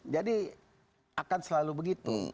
jadi akan selalu begitu